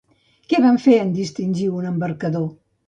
Què van fer en distingir un embarcador?